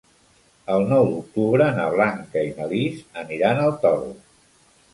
El nou d'octubre na Blanca i na Lis aniran al Toro.